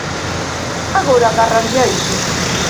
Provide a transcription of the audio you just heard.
Agora agárranse a iso.